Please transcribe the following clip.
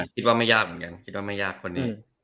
คิดว่าไม่ยากเหรอคือนี้